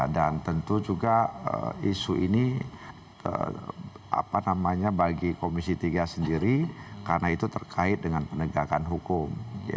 dan tentu juga isu ini bagi komisi tiga sendiri karena itu terkait dengan penegakan hukum